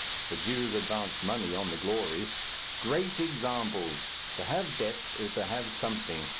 The Jews advanced money on the glory. Great examples. To have debts is to have something.